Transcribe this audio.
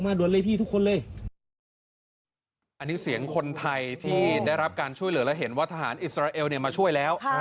อันนี้เสียงคนไทยที่ได้รับการช่วยเหลือและเห็นว่าทหารอิสราเอลมาช่วยแล้ว